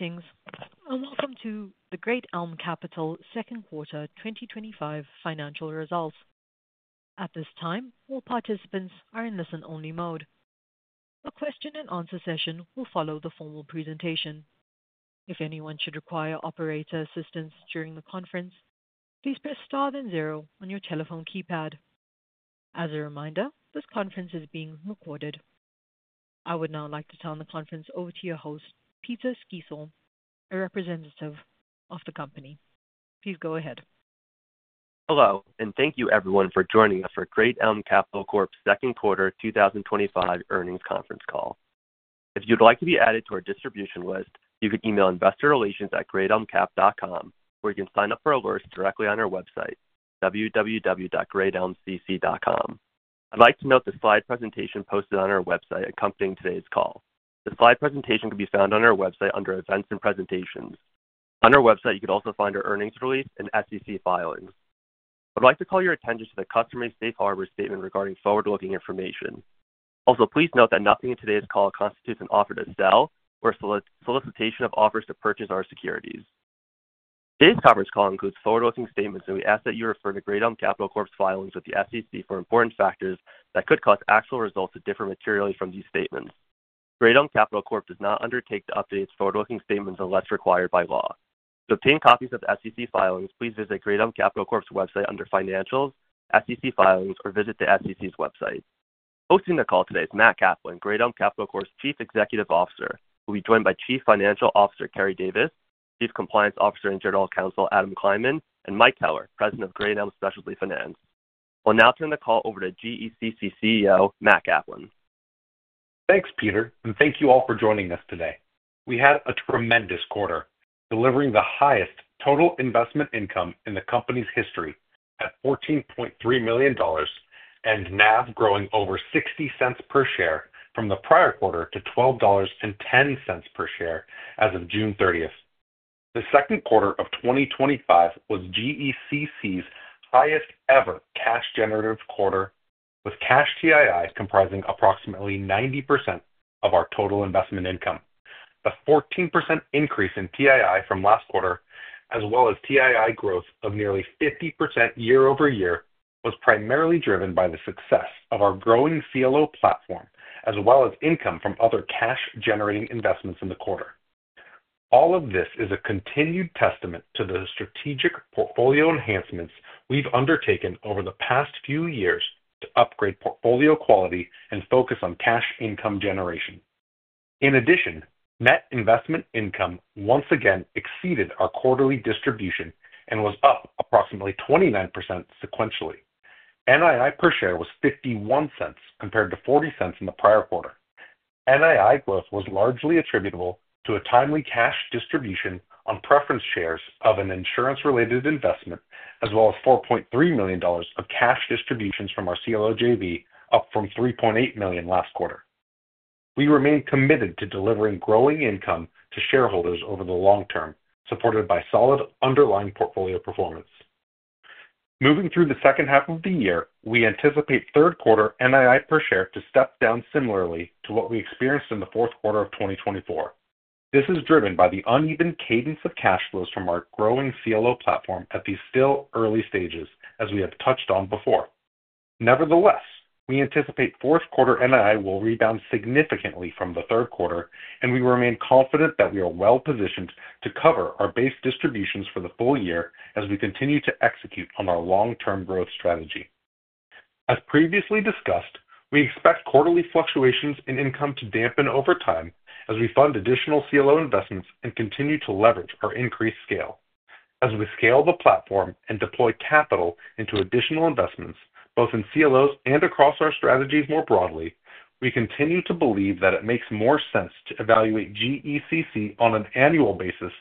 Meetings. Welcome to the Great Elm Capital Corp. Second Quarter 2025 financial results. At this time, all participants are in listen-only mode. The question and answer session will follow the formal presentation. If anyone should require operator assistance during the conference, please press star, then zero on your telephone keypad. As a reminder, this conference is being recorded. I would now like to turn the conference over to your host, Peter Sceusa, a representative of the company. Please go ahead. Hello, and thank you everyone for joining us for Great Elm Capital Corp.'s Second Quarter 2025 Earnings Conference Call. If you'd like to be added to our distribution list, you can email investorrelations@greatelmcap.com or you can sign up for alerts directly on our website, www.greatelmcc.com. I'd like to note the slide presentation posted on our website accompanying today's call. The slide presentation can be found on our website under Events and Presentations. On our website, you can also find our earnings release and SEC filings. I'd like to call your attention to the customary safe harbor statement regarding forward-looking information. Also, please note that nothing in today's call constitutes an offer to sell or a solicitation of offers to purchase our securities. Today's conference call includes forward-looking statements, and we ask that you refer to Great Elm Capital Corp.'s filings with the SEC for important factors that could cause actual results to differ materially from these statements. Great Elm Capital Corp. does not undertake to update forward-looking statements unless required by law. To obtain copies of the SEC filings, please visit Great Elm Capital Corp.'s website under Financials, SEC Filings, or visit the SEC's website. Hosting the call today is Matt Kaplan, Great Elm Capital Corp.'s Chief Executive Officer. We'll be joined by Chief Financial Officer, Keri Davis, Chief Compliance Officer and General Counsel, Adam Klyman, and Mike Keller, President of Great Elm Specialty Finance. I'll now turn the call over to GECC CEO, Matt Kaplan. Thanks, Peter, and thank you all for joining us today. We had a tremendous quarter, delivering the highest total investment income in the company's history at $14.3 million, and NAV growing over $0.60 per share from the prior quarter to $12.10 per share as of June 30th. The second quarter of 2025 was GECC's highest ever cash-generative quarter, with cash TII comprising approximately 90% of our total investment income. A 14% increase in TII from last quarter, as well as TII growth of nearly 50% year-over-year, was primarily driven by the success of our growing CLO platform, as well as income from other cash-generating investments in the quarter. All of this is a continued testament to the strategic portfolio enhancements we've undertaken over the past few years to upgrade portfolio quality and focus on cash income generation. In addition, net investment income once again exceeded our quarterly distribution and was up approximately 29% sequentially. NII per share was $0.51 compared to $0.40 in the prior quarter. NII growth was largely attributable to a timely cash distribution on preference shares of an insurance-related investment, as well as $4.3 million of cash distributions from our CLO JV, up from $3.8 million last quarter. We remain committed to delivering growing income to shareholders over the long term, supported by solid underlying portfolio performance. Moving through the second half of the year, we anticipate third quarter NII per share to step down similarly to what we experienced in the fourth quarter of 2024. This is driven by the uneven cadence of cash flows from our growing CLO platform at these still early stages, as we have touched on before. Nevertheless, we anticipate fourth quarter NII will rebound significantly from the third quarter, and we remain confident that we are well positioned to cover our base distributions for the full year as we continue to execute on our long-term growth strategy. As previously discussed, we expect quarterly fluctuations in income to dampen over time as we fund additional CLO investments and continue to leverage our increased scale. As we scale the platform and deploy capital into additional investments, both in CLOs and across our strategies more broadly, we continue to believe that it makes more sense to evaluate GECC on an annual basis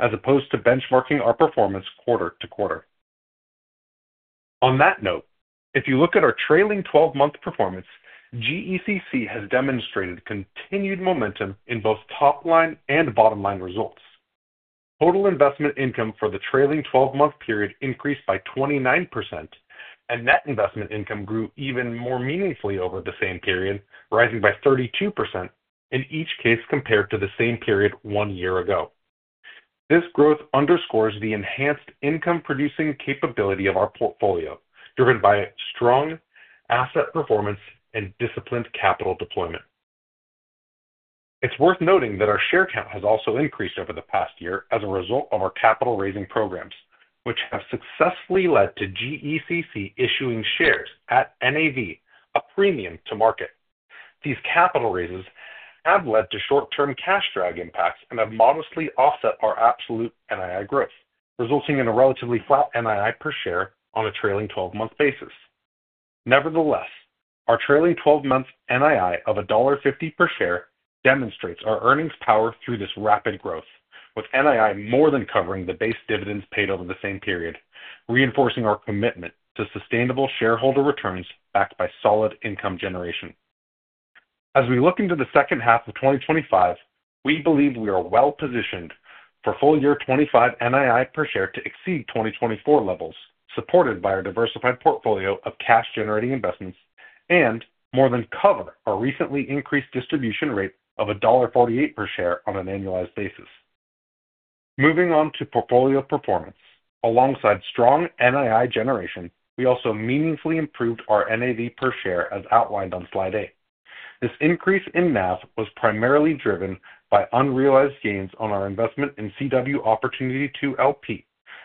as opposed to benchmarking our performance quarter to quarter. On that note, if you look at our trailing 12-month performance, GECC has demonstrated continued momentum in both top-line and bottom-line results. Total investment income for the trailing 12-month period increased by 29%, and net investment income grew even more meaningfully over the same period, rising by 32% in each case compared to the same period one year ago. This growth underscores the enhanced income-producing capability of our portfolio, driven by strong asset performance and disciplined capital deployment. It's worth noting that our share count has also increased over the past year as a result of our capital raising programs, which have successfully led to GECC issuing shares at NAV, a premium to market. These capital raises have led to short-term cash drag impacts and have modestly offset our absolute NII growth, resulting in a relatively flat NII per share on a trailing 12-month basis. Nevertheless, our trailing 12-month NII of $1.50 per share demonstrates our earnings power through this rapid growth, with NII more than covering the base dividends paid over the same period, reinforcing our commitment to sustainable shareholder returns backed by solid income generation. As we look into the second half of 2025, we believe we are well positioned for full-year 2025 NII per share to exceed 2024 levels, supported by our diversified portfolio of cash-generating investments and more than covered our recently increased distribution rate of $1.48 per share on an annualized basis. Moving on to portfolio performance, alongside strong NII generation, we also meaningfully improved our NAV per share as outlined on slide eight. This increase in NAV was primarily driven by unrealized gains on our investment in CW Opportunity 2 LP,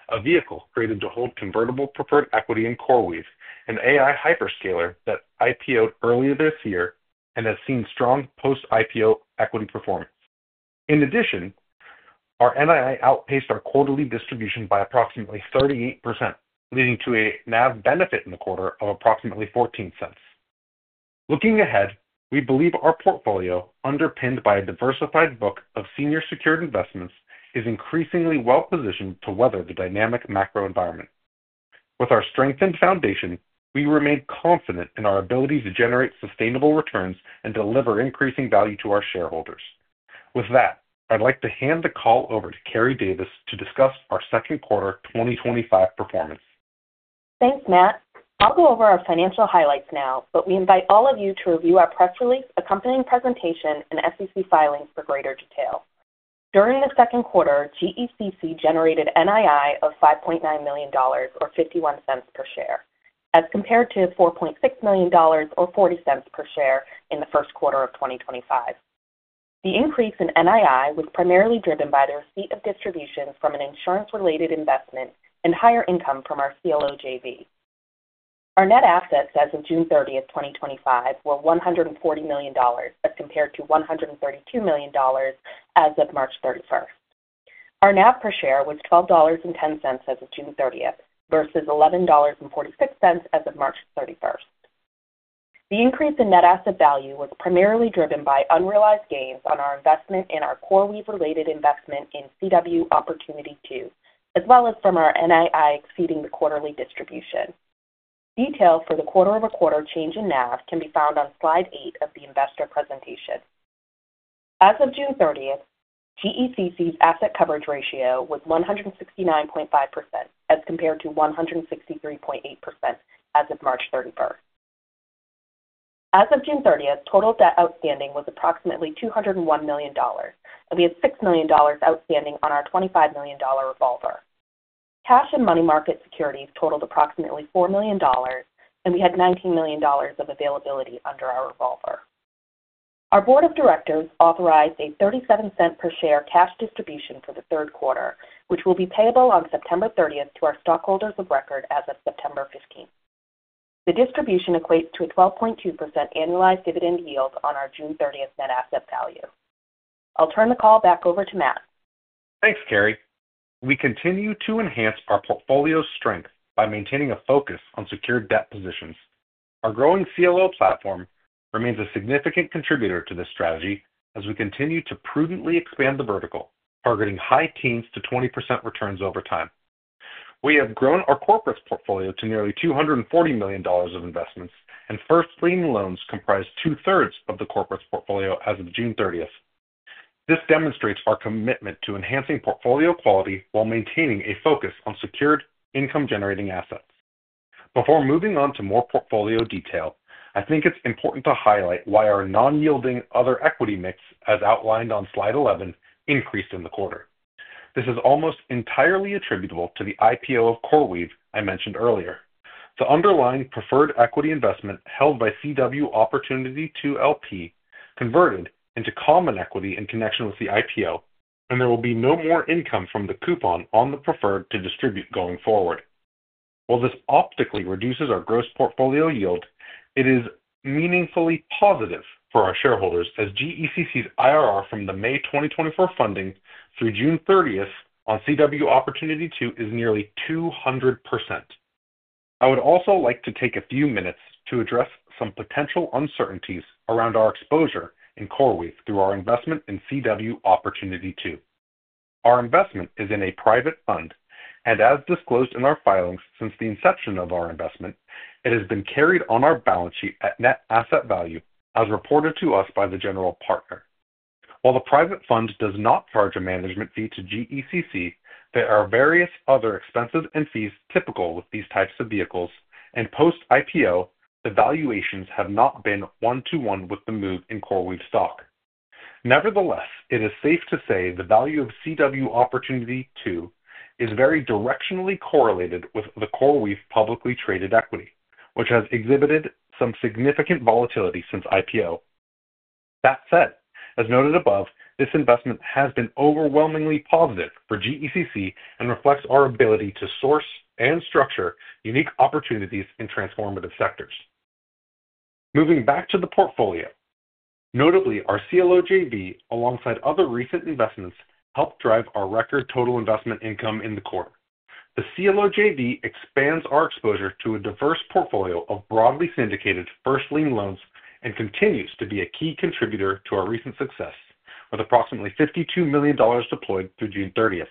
a vehicle created to hold convertible preferred equity in CoreWeave, an AI hyperscaler that IPO'd earlier this year and has seen strong post-IPO equity performance. In addition, our NII outpaced our quarterly distribution by approximately 38%, leading to a NAV benefit in the quarter of approximately $0.14. Looking ahead, we believe our portfolio, underpinned by a diversified book of senior secured investments, is increasingly well positioned to weather the dynamic macro environment. With our strengthened foundation, we remain confident in our ability to generate sustainable returns and deliver increasing value to our shareholders. With that, I'd like to hand the call over to Keri Davis to discuss our second quarter 2025 performance. Thanks, Matt. I'll go over our financial highlights now, but we invite all of you to review our press release, accompanying presentation, and SEC filings for greater detail. During the second quarter, GECC generated NII of $5.9 million, or $0.51 per share, as compared to $4.6 million, or $0.40 per share in the first quarter of 2025. The increase in NII was primarily driven by the receipt of distributions from an insurance-related investment and higher income from our CLO JV. Our net assets as of June 30, 2025, were $140 million, as compared to $132 million as of March 31. Our NAV per share was $12.10 as of June 30 versus $11.46 as of March 31. The increase in net asset value was primarily driven by unrealized gains on our investment in our CoreWeave related investment in CW Opportunity 2, as well as from our NII exceeding the quarterly distribution. Details for the quarter over quarter change in NAV can be found on slide eight of the investor presentation. As of June 30, GECC's asset coverage ratio was 169.5% as compared to 163.8% as of March 31. As of June 30, total debt outstanding was approximately $201 million, and we had $6 million outstanding on our $25 million revolver. Cash and money market securities totaled approximately $4 million, and we had $19 million of availability under our revolver. Our board of directors authorized a $0.37 per share cash distribution for the third quarter, which will be payable on September 30 to our stockholders of record as of September 15. The distribution equates to a 12.2% annualized dividend yield on our June 30 net asset value. I'll turn the call back over to Matt. Thanks, Keri. We continue to enhance our portfolio strength by maintaining a focus on secured debt positions. Our growing CLO platform remains a significant contributor to this strategy as we continue to prudently expand the vertical, targeting high teens to 20% returns over time. We have grown our corporate portfolio to nearly $240 million of investments, and first lien loans comprise two-thirds of the corporate portfolio as of June 30. This demonstrates our commitment to enhancing portfolio quality while maintaining a focus on secured income-generating assets. Before moving on to more portfolio detail, I think it's important to highlight why our non-yielding other equity mix, as outlined on slide 11, increased in the quarter. This is almost entirely attributable to the IPO of CoreWeave I mentioned earlier. The underlying preferred equity investment held by CW Opportunity 2 LP converted into common equity in connection with the IPO, and there will be no more income from the coupon on the preferred to distribute going forward. While this optically reduces our gross portfolio yield, it is meaningfully positive for our shareholders as GECC's IRR from the May 2024 funding through June 30 on CW Opportunity 2 is nearly 200%. I would also like to take a few minutes to address some potential uncertainties around our exposure in CoreWeave through our investment in CW Opportunity 2. Our investment is in a private fund, and as disclosed in our filings since the inception of our investment, it has been carried on our balance sheet at net asset value as reported to us by the general partner. While the private fund does not charge a management fee to GECC, there are various other expenses and fees typical with these types of vehicles, and post-IPO, the valuations have not been one-to-one with the move in CoreWeave stock. Nevertheless, it is safe to say the value of CW Opportunity 2 is very directionally correlated with the CoreWeave publicly traded equity, which has exhibited some significant volatility since IPO. That said, as noted above, this investment has been overwhelmingly positive for GECC and reflects our ability to source and structure unique opportunities in transformative sectors. Moving back to the portfolio, notably our CLO JV, alongside other recent investments, helped drive our record total investment income in the quarter. The CLO JV expands our exposure to a diverse portfolio of broadly syndicated first lien loans and continues to be a key contributor to our recent success, with approximately $52 million deployed through June 30.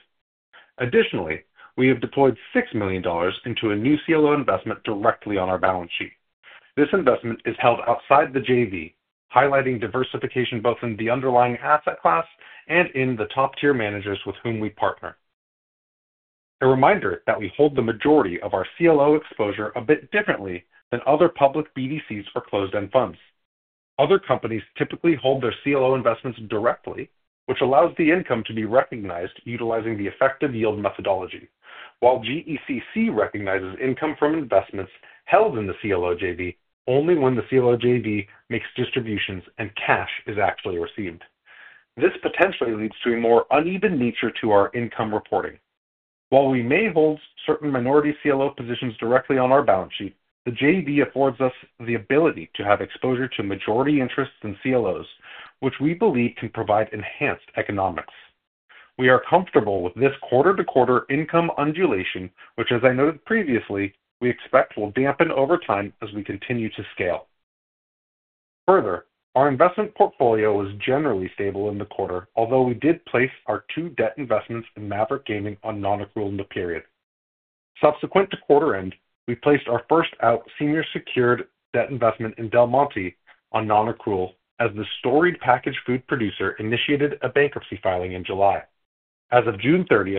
Additionally, we have deployed $6 million into a new CLO investment directly on our balance sheet. This investment is held outside the JV, highlighting diversification both in the underlying asset class and in the top-tier managers with whom we partner. A reminder that we hold the majority of our CLO exposure a bit differently than other public BDCs or closed-end funds. Other companies typically hold their CLO investments directly, which allows the income to be recognized utilizing the effective yield methodology, while GECC recognizes income from investments held in the CLO JV only when the CLO JV makes distributions and cash is actually received. This potentially leads to a more uneven nature to our income reporting. While we may hold certain minority CLO positions directly on our balance sheet, the JV affords us the ability to have exposure to majority interests in CLOs, which we believe can provide enhanced economics. We are comfortable with this quarter-to-quarter income undulation, which, as I noted previously, we expect will dampen over time as we continue to scale. Further, our investment portfolio is generally stable in the quarter, although we did place our two debt investments in Maverick Gaming on non-accrual in the period. Subsequent to quarter-end, we placed our first out senior secured debt investment in Del Monte on non-accrual as the storied packaged food producer initiated a bankruptcy filing in July. As of June 30,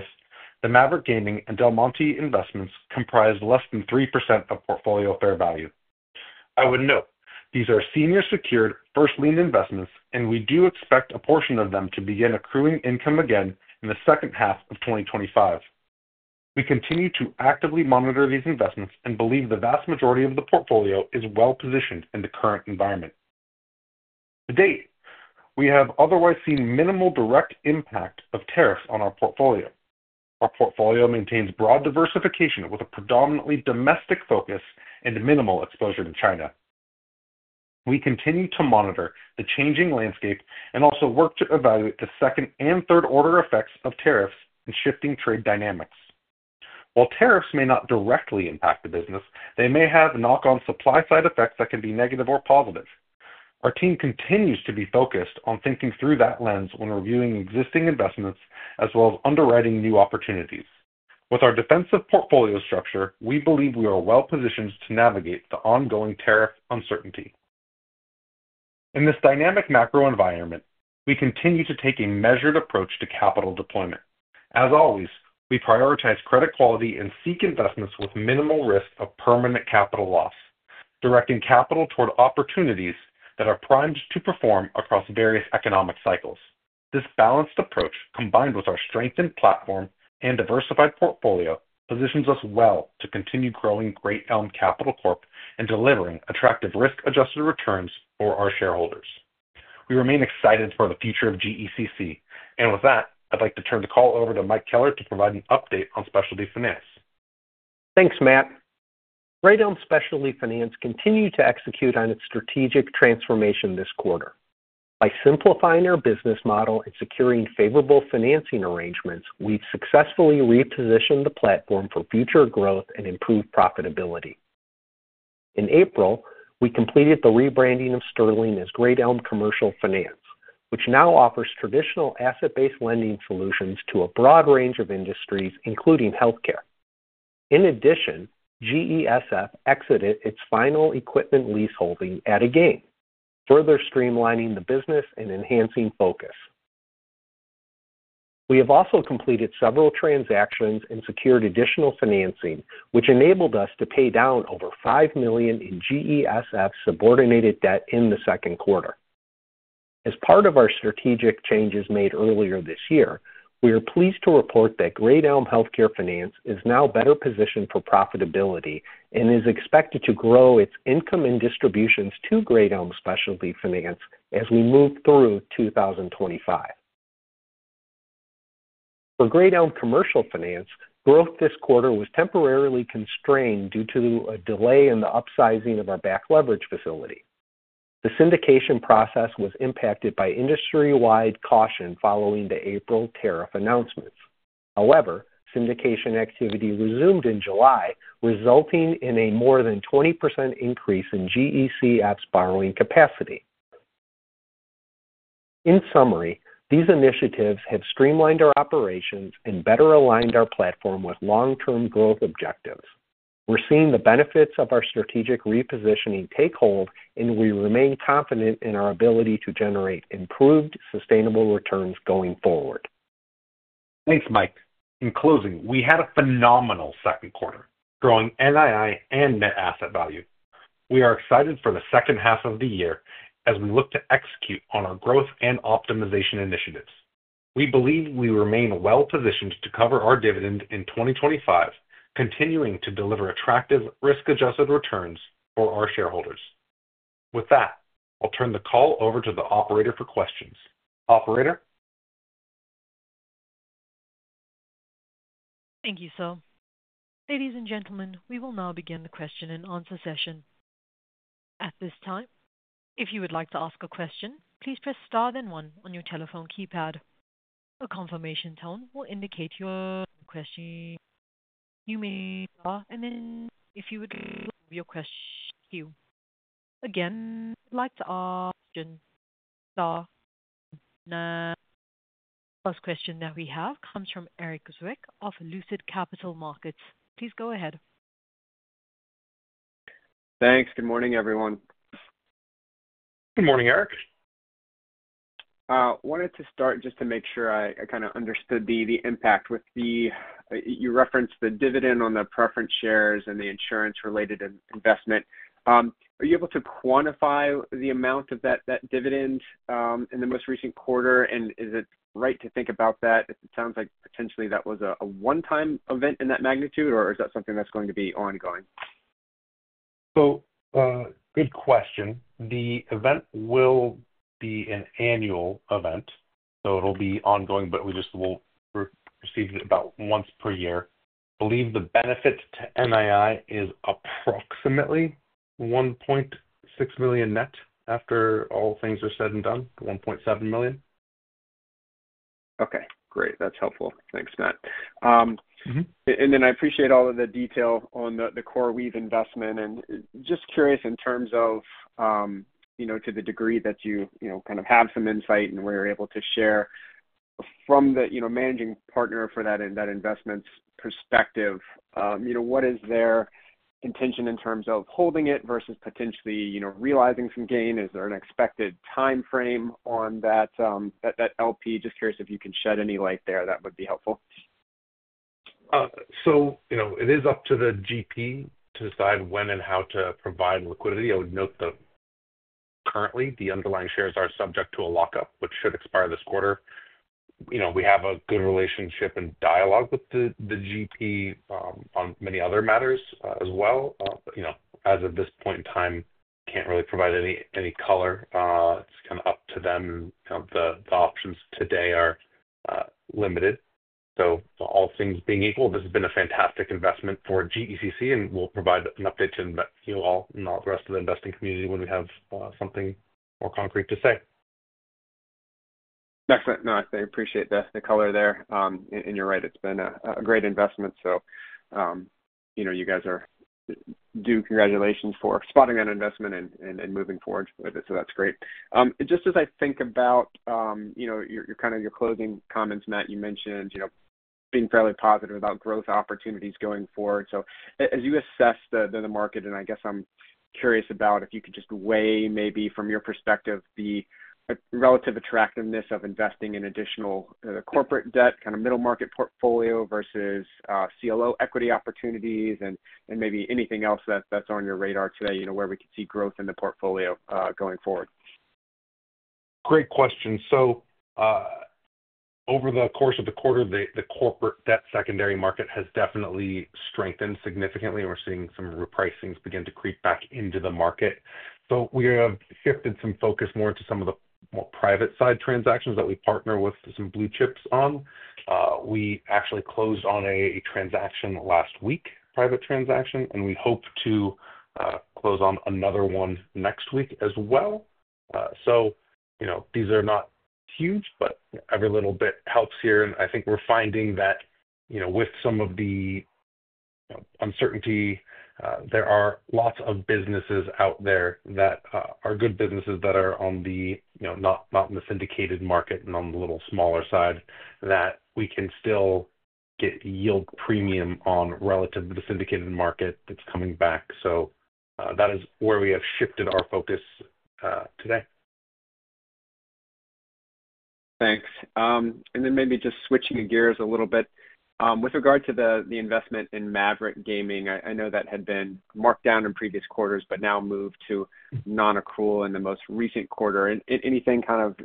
the Maverick Gaming and Del Monte investments comprise less than 3% of portfolio fair value. I would note these are senior secured first lien investments, and we do expect a portion of them to begin accruing income again in the second half of 2025. We continue to actively monitor these investments and believe the vast majority of the portfolio is well positioned in the current environment. To date, we have otherwise seen minimal direct impact of tariffs on our portfolio. Our portfolio maintains broad diversification with a predominantly domestic focus and minimal exposure to China. We continue to monitor the changing landscape and also work to evaluate the second and third order effects of tariffs and shifting trade dynamics. While tariffs may not directly impact the business, they may have knock-on supply-side effects that can be negative or positive. Our team continues to be focused on thinking through that lens when reviewing existing investments as well as underwriting new opportunities. With our defensive portfolio structure, we believe we are well positioned to navigate the ongoing tariff uncertainty. In this dynamic macro environment, we continue to take a measured approach to capital deployment. As always, we prioritize credit quality and seek investments with minimal risk of permanent capital loss, directing capital toward opportunities that are primed to perform across various economic cycles. This balanced approach, combined with our strengthened platform and diversified portfolio, positions us well to continue growing Great Elm Capital Corp. and delivering attractive risk-adjusted returns for our shareholders. We remain excited for the future of GECC, and with that, I'd like to turn the call over to Mike Keller to provide an update on Specialty Finance. Thanks, Matt. Great Elm Specialty Finance continued to execute on its strategic transformation this quarter. By simplifying our business model and securing favorable financing arrangements, we've successfully repositioned the platform for future growth and improved profitability. In April, we completed the rebranding of Sterling as Great Elm Commercial Finance, which now offers traditional asset-based lending solutions to a broad range of industries, including healthcare. In addition, Great Elm Specialty Finance exited its final equipment leaseholding at a gain, further streamlining the business and enhancing focus. We have also completed several transactions and secured additional financing, which enabled us to pay down over $5 million in Great Elm Specialty Finance subordinated debt in the second quarter. As part of our strategic changes made earlier this year, we are pleased to report that Great Elm Healthcare Finance is now better positioned for profitability and is expected to grow its income and distributions to Great Elm Specialty Finance as we move through 2025. For Great Elm Commercial Finance, growth this quarter was temporarily constrained due to a delay in the upsizing of our back leverage facility. The syndication process was impacted by industry-wide caution following the April tariff announcements. However, syndication activity resumed in July, resulting in a more than 20% increase in Great Elm Commercial Finance's borrowing capacity. In summary, these initiatives have streamlined our operations and better aligned our platform with long-term growth objectives. We're seeing the benefits of our strategic repositioning take hold, and we remain confident in our ability to generate improved sustainable returns going forward. Thanks, Mike. In closing, we had a phenomenal second quarter, growing NII and net asset value. We are excited for the second half of the year as we look to execute on our growth and optimization initiatives. We believe we remain well positioned to cover our dividend in 2025, continuing to deliver attractive risk-adjusted returns for our shareholders. With that, I'll turn the call over to the operator for questions. Operator? Thank you, Sir. Ladies and gentlemen, we will now begin the question and answer session. At this time, if you would like to ask a question, please press star, then one on your telephone keypad. A confirmation tone will indicate your question. Again, if you'd like to ask a question, star, and then the first question that we have comes from Erik Zwick of Lucid Capital Markets. Please go ahead. Thanks. Good morning, everyone. Good morning, Erik. I wanted to start just to make sure I kind of understood the impact with the, you referenced the dividend on the preference shares and the insurance-related investment. Are you able to quantify the amount of that dividend in the most recent quarter, and is it right to think about that? It sounds like potentially that was a one-time event in that magnitude, or is that something that's going to be ongoing? Good question. The event will be an annual event, so it'll be ongoing, but we just will receive it about once per year. I believe the benefit to NII is approximately $1.6 million net after all things are said and done, $1.7 million. Okay, great. That's helpful. Thanks, Matt. I appreciate all of the detail on the CoreWeave investment and just curious in terms of, you know, to the degree that you kind of have some insight and where you're able to share from the managing partner for that investment's perspective. What is their intention in terms of holding it versus potentially realizing some gain? Is there an expected timeframe on that LP? Just curious if you can shed any light there. That would be helpful. It is up to the GP to decide when and how to provide liquidity. I would note that currently the underlying shares are subject to a lockup, which should expire this quarter. We have a good relationship and dialogue with the GP on many other matters as well. As of this point in time, I can't really provide any color. It's kind of up to them. The options today are limited. All things being equal, this has been a fantastic investment for GECC, and we'll provide an update to you all and the rest of the investing community when we have something more concrete to say. Excellent. No, I appreciate the color there. You're right, it's been a great investment. You guys do deserve congratulations for spotting that investment and moving forward with it. That's great. As I think about your closing comments, Matt, you mentioned being fairly positive about growth opportunities going forward. As you assess the market, I'm curious if you could just weigh, maybe from your perspective, the relative attractiveness of investing in additional corporate debt, kind of middle market portfolio versus CLO equity opportunities, and maybe anything else that's on your radar today where we could see growth in the portfolio going forward. Great question. Over the course of the quarter, the corporate debt secondary market has definitely strengthened significantly, and we're seeing some repricings begin to creep back into the market. We have shifted some focus more to some of the more private side transactions that we partner with some blue chips on. We actually closed on a transaction last week, a private transaction, and we hope to close on another one next week as well. These are not huge, but every little bit helps here. I think we're finding that, with some of the uncertainty, there are lots of businesses out there that are good businesses that are not in the syndicated market and on the little smaller side that we can still get yield premium on relative to the syndicated market that's coming back. That is where we have shifted our focus today. Thanks. Maybe just switching gears a little bit, with regard to the investment in Maverick Gaming, I know that had been marked down in previous quarters, but now moved to non-accrual in the most recent quarter. Anything kind of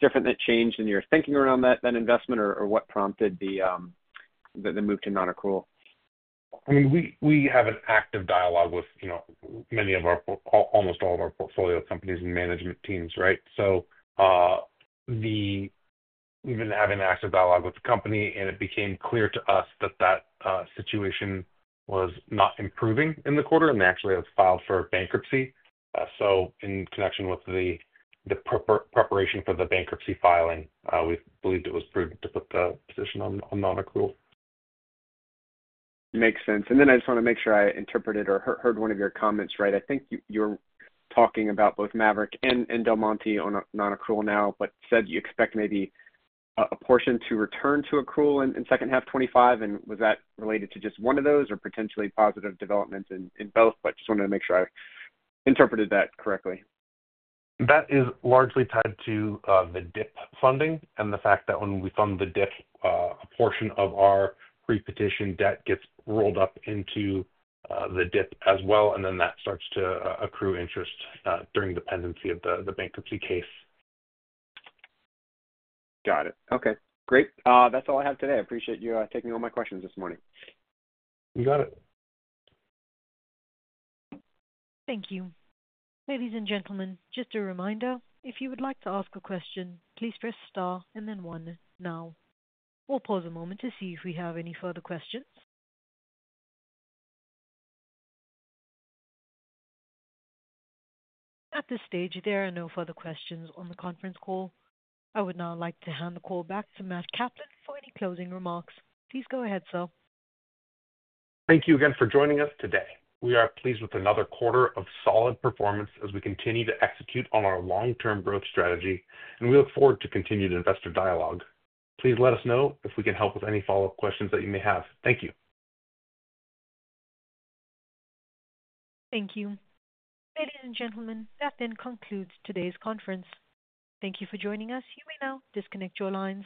different that changed in your thinking around that investment or what prompted the move to non-accrual? We have an active dialogue with many of our, almost all of our portfolio companies and management teams, right? We've been having an active dialogue with the company, and it became clear to us that that situation was not improving in the quarter, and they actually have filed for bankruptcy. In connection with the preparation for the bankruptcy filing, we believed it was prudent to put the position on non-accrual. Makes sense. I just want to make sure I interpreted or heard one of your comments right. I think you're talking about both Maverick Gaming and Del Monte on non-accrual now, but said you expect maybe a portion to return to accrual in the second half of 2025. Was that related to just one of those or potentially positive developments in both? I just wanted to make sure I interpreted that correctly. That is largely tied to the DIP funding and the fact that when we fund the DIP, a portion of our pre-petition debt gets rolled up into the DIP as well, and then that starts to accrue interest during the pendency of the bankruptcy case. Got it. Okay, great. That's all I have today. I appreciate you taking all my questions this morning. You got it. Thank you. Ladies and gentlemen, just a reminder, if you would like to ask a question, please press star and then one now. We'll pause a moment to see if we have any further questions. At this stage, there are no further questions on the conference call. I would now like to hand the call back to Matt Kaplan for any closing remarks. Please go ahead, Sir. Thank you again for joining us today. We are pleased with another quarter of solid performance as we continue to execute on our long-term growth strategy, and we look forward to continued investor dialogue. Please let us know if we can help with any follow-up questions that you may have. Thank you. Thank you. Ladies and gentlemen, that concludes today's conference. Thank you for joining us. You may now disconnect your lines.